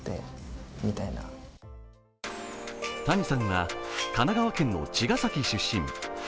Ｔａｎｉさんは神奈川県の茅ヶ崎出身。